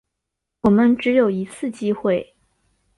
我们只有一次机会